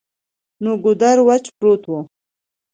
نو ګودر وچ پروت وو ـ